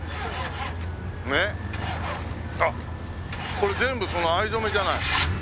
これ全部その藍染めじゃない？